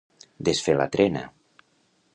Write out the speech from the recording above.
Desfer la trena.